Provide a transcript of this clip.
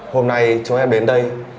hôm nay chúng em đến đây